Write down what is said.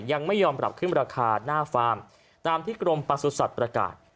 ยังไม่ยอมปรับขึ้นราคาหน้าฟาร์มตามที่กรมประสุทธิ์ประกาศ